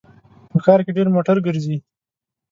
په ښار کې ډېر موټر ګرځي